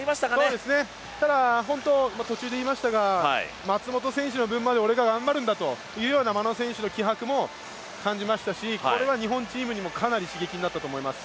そうですね、ただ松元選手の分まで俺が頑張るんだというような眞野選手の気迫も、感じましたしこれは日本チームにもかなり刺激になったと思います。